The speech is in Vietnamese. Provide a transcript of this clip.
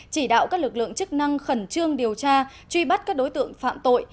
chỉ đạo các lực lượng chức năng khẩn trương điều tra truy bắt các đối tượng phạm tội